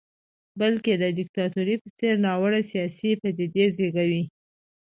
بلکې د دیکتاتورۍ په څېر ناوړه سیاسي پدیدې زېږوي.